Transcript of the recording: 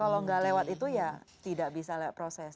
kalau nggak lewat itu ya tidak bisa lewat proses